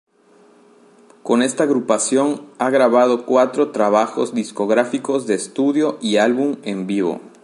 Con esta agrupación, ha grabado cuatro trabajos discográficos de estudio y álbum en vivo.